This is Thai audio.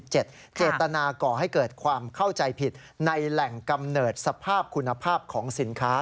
เจตนาก่อให้เกิดความเข้าใจผิดในแหล่งกำเนิดสภาพคุณภาพของสินค้า